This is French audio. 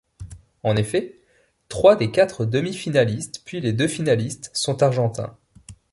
En effet, trois des quatre demi-finalistes puis les deux finalistes sont argentins.